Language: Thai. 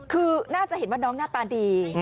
คือน่าจะเห็นว่าน้องหน้าตาดี